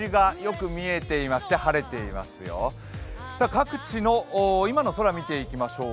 各地の今の空、見ていきましょう。